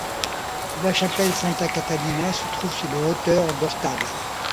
La chapelle Santa Catalina se trouve sur les hauteurs d'Ortale.